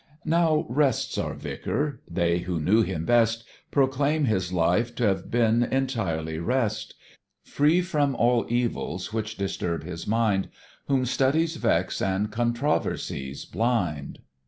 Now rests our Vicar. They who knew him best, Proclaim his life t'have been entirely rest; Free from all evils which disturb his mind Whom studies vex and controversies blind.